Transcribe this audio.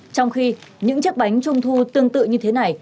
trong khi những chiếc bánh trung thu tương tự như thế này